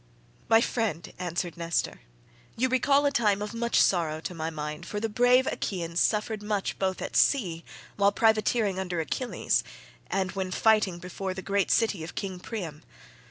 "My friend," answered Nestor, "you recall a time of much sorrow to my mind, for the brave Achaeans suffered much both at sea, while privateering under Achilles, and when fighting before the great city of king Priam.